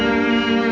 tunggu ya pak